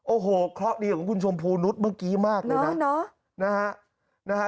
โอ้โหเคราะห์ดีของคุณชมพูนุษย์เมื่อกี้มากเลยนะนะฮะ